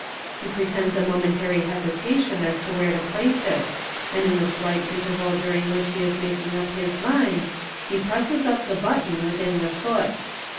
He pre tends a momentary hesitation as to where to place it, and in the slight interval during which he is making up his mind he presses up the button within the foot.